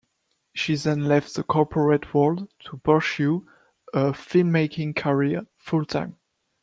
She then left the corporate world to pursue a filmmaking career full-time.